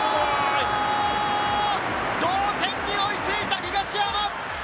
同点に追いついた東山！